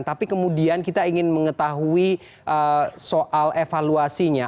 tapi kemudian kita ingin mengetahui soal evaluasinya